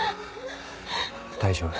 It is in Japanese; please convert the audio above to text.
大丈夫。